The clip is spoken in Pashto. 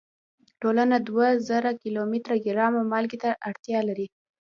ټولنه دوه زره کیلو ګرامه مالګې ته اړتیا لري.